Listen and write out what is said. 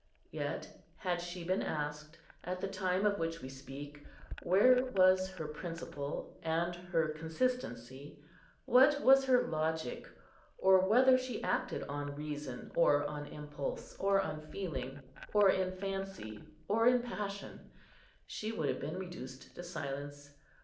Yet, had she been asked, at the time of which we speak, where was her principle and her consistency, what was her logic, or whether she acted on reason, or on impulse, or on feeling, or in fancy, or in passion, she would have been reduced to silence.